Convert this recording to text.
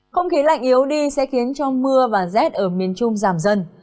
không khí lạnh yếu đi sẽ khiến cho mưa và rét ở miền trung giảm dần